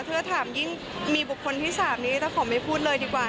ถ้าถามยิ่งมีบุคคลที่สามนี้ต้องขอไม่พูดเลยดีกว่า